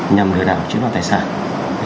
nhằm lừa đảo chiếm đoàn tài sản